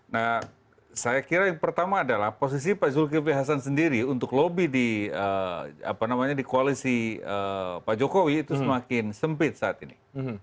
nah saya kira yang pertama adalah posisi pak zulkifli hasan sendiri untuk lobby di koalisi pak jokowi itu semakin sempit saat ini